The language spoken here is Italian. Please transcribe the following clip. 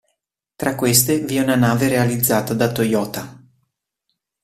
Tra queste vi è una nave realizzata da Toyota.